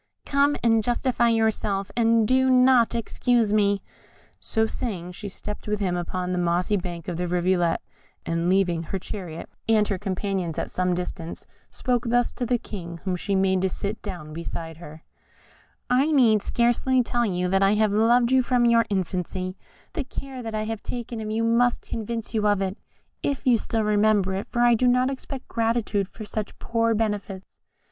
"Come and justify yourself, and do not accuse me." So saying, she stepped with him upon the mossy bank of the rivulet, and leaving her chariot and her companions at some distance, spoke thus to the King, whom she made to sit down beside her: "I need scarcely tell you that I have loved you from your infancy; the care that I have taken of you must convince you of it, if you still remember it, for I do not expect gratitude for such poor benefits.